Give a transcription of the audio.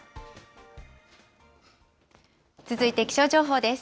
続いて気象情報です。